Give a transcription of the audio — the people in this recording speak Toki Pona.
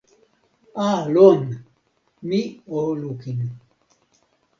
a, lon! mi o lukin.